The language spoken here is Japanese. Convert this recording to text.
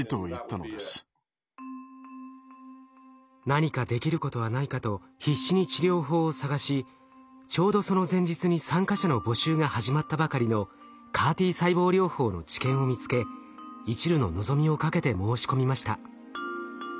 何かできることはないかと必死に治療法を探しちょうどその前日に参加者の募集が始まったばかりのＣＡＲ−Ｔ細胞療法の治験を見つけいちるの望みをかけて申し込みました。